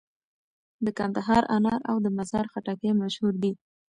د کندهار انار او د مزار خټکي مشهور دي.